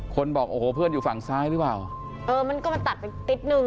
คนบอกโอ้โหเพื่อนอยู่ฝั่งซ้ายหรือกว่าเออมันก็ตัดติดหนึ่ง